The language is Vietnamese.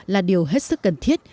là điều hết sức cần thiết